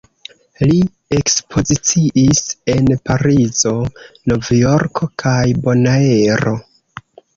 Li ekspoziciis en Parizo, Novjorko kaj Bonaero.